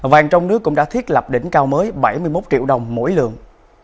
vàng trong nước cũng đã thiết lập đỉnh cao mới bảy mươi một triệu đồng mỗi lượng